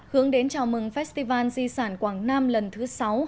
hướng đến chào mừng festival di sản quảng nam lần thứ sáu hai nghìn một mươi bảy